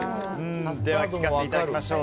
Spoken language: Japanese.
聞かせていただきましょう。